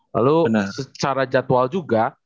lalu secara jadwal juga